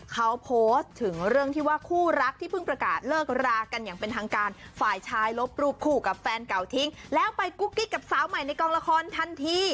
เขาโพสต์ถึงเรื่องที่ว่าคู่รักที่เพิ่งประกาศเลิกรากันอย่างเป็นทางการฝ่ายชายลบรูปคู่กับแฟนเก่าทิ้งแล้วไปกุ๊กกิ๊กกับสาวใหม่ในกองละครทันที